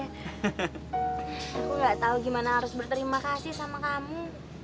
aku gak tau gimana harus berterima kasih sama kamu